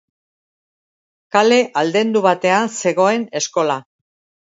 Kale aldendu batean zegoen eskola.